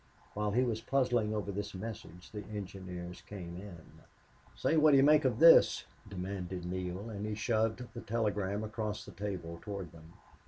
While he was puzzling over this message the engineers came in. "Say, what do you make of this?" demanded Neale, and he shoved the telegram across the table toward them.